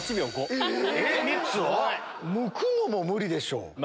３つを⁉むくのも無理でしょ。